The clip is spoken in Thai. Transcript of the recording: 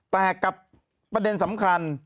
แต่กับประเด็นสำคัญ